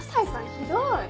ひどい！